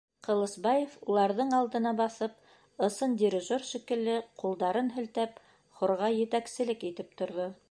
Ҡылысбаев, уларҙың алдына баҫып, ысын дирижер шикелле, ҡулдарын һелтәп, хорға етәкселек итеп торҙо.